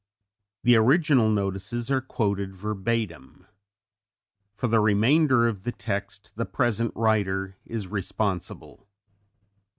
The original notices are quoted verbatim; for the remainder of the text the present writer is responsible.